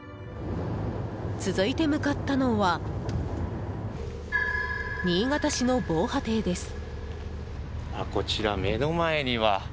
続いて向かったのは新潟市の防波堤です。